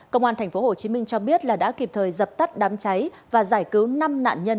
công an tp hcm cho biết là đã kịp thời dập tắt đám cháy và giải cứu năm nạn nhân